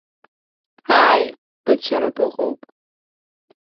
Ааи, быцәара быҟоуп.